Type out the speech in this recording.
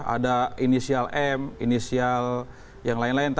ada inisial m inisial yang lain lain